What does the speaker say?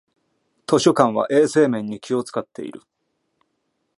図書館は衛生面に気をつかっている